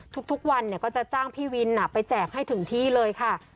ทุกวันก็จะจ้างพี่วินไปแจกให้ถึงที่เลยค่ะ